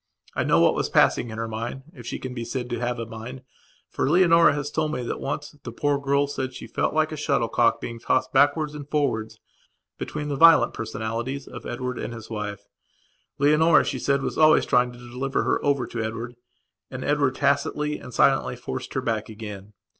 I know what was passing in her mind, if she can be said to have a mind, for Leonora has told me that, once, the poor girl said she felt like a shuttlecock being tossed backwards and forwards between the violent personalities of Edward and his wife. Leonora, she said, was always trying to deliver her over to Edward, and Edward tacitly and silently forced her back again.